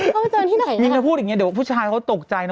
เขาไปเจอกันที่ไหนมิ้นจะพูดอย่างนี้เดี๋ยวว่าผู้ชายเขาตกใจนะ